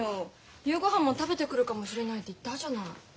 夕ごはんも食べてくるかもしれないって言ったじゃない。